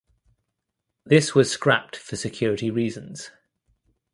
This was scrapped for security reasons.